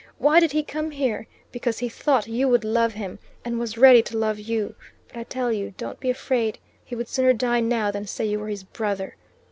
Why did he come here? Because he thought you would love him, and was ready to love you. But I tell you, don't be afraid. He would sooner die now than say you were his brother.